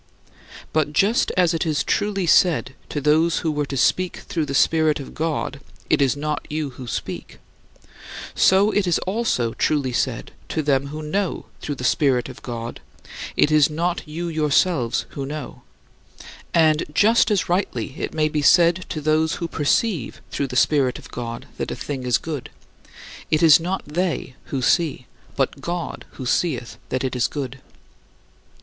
But just as it is truly said to those who were to speak through the Spirit of God, "It is not you who speak," so it is also truly said to them who know through the Spirit of God, "It is not you yourselves who know," and just as rightly it may be said to those who perceive through the Spirit of God that a thing is good; it is not they who see, but God who seeth that it is good.